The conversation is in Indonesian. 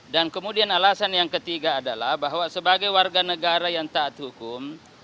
dan kemudian alasan yang ketiga adalah bahwa sebagai warga negara yang taat hukum